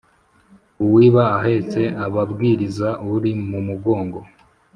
Uwiba ahetse ababwiriza uri mumugongo